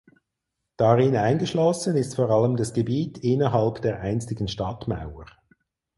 Darin eingeschlossen ist vor allem das Gebiet innerhalb der einstigen Stadtmauer.